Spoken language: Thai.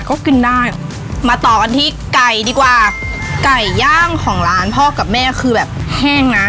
ก็กินได้มาต่อกันที่ไก่ดีกว่าไก่ย่างของร้านพ่อกับแม่คือแบบแห้งนะ